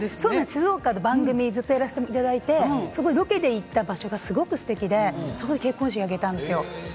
静岡で番組をずっとやらせていただいてロケで行った場所がすごくすてきでそこで結婚式を挙げたんです。